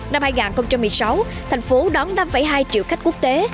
năm hai nghìn một mươi sáu thành phố đón năm hai triệu khách quốc tế